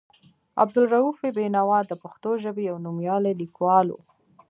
عبدالرؤف بېنوا د پښتو ژبې یو نومیالی لیکوال و.